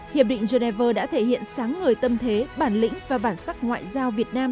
hiệp định geneva đã thể hiện sáng ngời tâm thế bản lĩnh và bản sắc ngoại giao việt nam